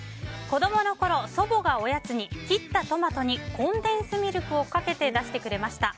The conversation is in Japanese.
子供のころ、祖母がおやつに切ったトマトにコンデンスミルクをかけて出してくれました。